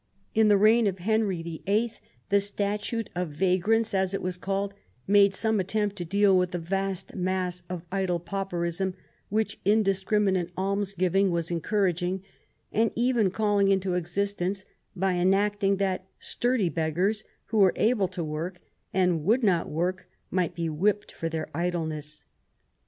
In the reign of Henry the Eighth the Statute of Vagrants, as it was called, made some attempt to deal with the vast mass of idle pauperism, which indiscriminate alms giving was encouraging and even calling into ex istence, by enacting that sturdy beggars who were able to work and would not work might be whipped for their idleness.